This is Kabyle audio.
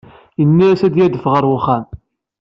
Yenna-as ad d-yadef ɣer uxxam.